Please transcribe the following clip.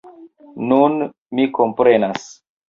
Nun, mi komprenas.